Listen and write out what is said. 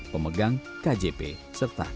pemegang kjp serta